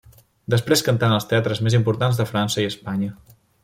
Després cantà en els teatres més importants de França i Espanya.